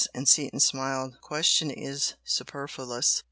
and Seaton smiled "The question is superfluous!"